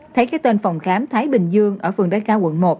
thấy cái tên phòng khám thái bình dương ở phường đáy cao quận một